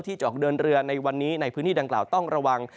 จะออกเดินเรือในวันนี้ในพื้นที่ดังกล่าวต้องระวัง